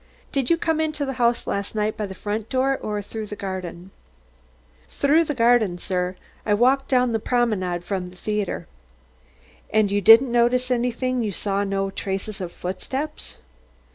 "Did you come into the house last night by the front door, or through the garden?" "Through the garden, sir. I walked down the Promenade from the theatre." "And you didn't notice anything you saw no traces of footsteps?"